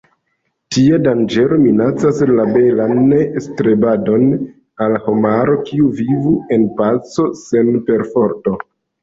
Tia danĝero minacas la belan strebadon al homaro, kiu vivu en paco sen perforto.